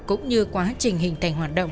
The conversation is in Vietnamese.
cũng như quá trình hình thành hoạt động